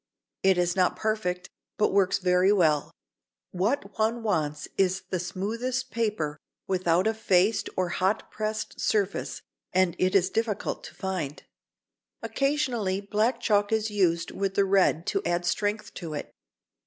It is not perfect, but works very well. What one wants is the smoothest paper without a faced and hot pressed surface, and it is difficult to find. Occasionally black chalk is used with the red to add strength to it.